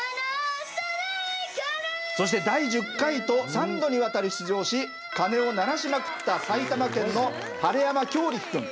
そして第１０回と３度にわたり出場し鐘をならしまくった埼玉県の晴山叶力くん。